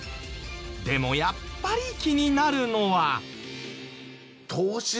でもやっぱり気になるのは。